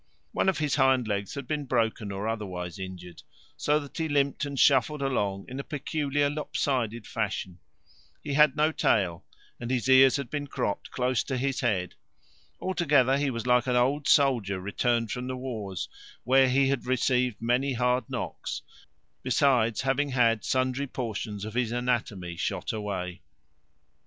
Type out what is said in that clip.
One of his hind legs had been broken or otherwise injured, so that he limped and shuffled along in a peculiar lopsided fashion; he had no tail, and his ears had been cropped close to his head: altogether he was like an old soldier returned from the wars, where he had received many hard knocks, besides having had sundry portions of his anatomy shot away.